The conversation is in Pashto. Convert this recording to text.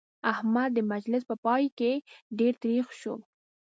احمد د مجلس په پای کې ډېر تريخ شو.